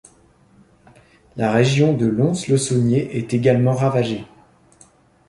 La région de Lons-le-Saunier est également ravagée.